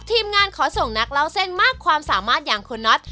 ทีมงานขอส่งนักเล่าเส้นมากความสามารถอย่างคุณน็อต